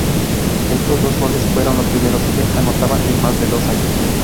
Estos dos goles fueron los primeros que anotaba en más de dos años.